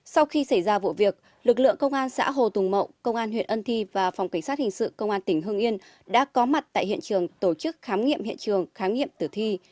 sau khi xảy ra vụ việc lực lượng công an xã hồ tùng mậu công an huyện ân thi và phòng cảnh sát hình sự công an tỉnh hưng yên đã có mặt tại hiện trường tổ chức khám nghiệm hiện trường khám nghiệm tử thi